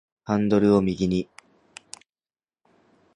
ハンドルを右に